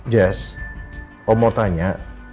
jess om mau tanya